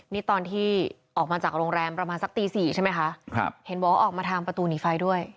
นี่ตอนที่ออกมาจากโรงแรมประมาณสักตีสี่ใช่ไหมคะครับเห็นบอกว่าออกมาทางประตูหนีไฟด้วย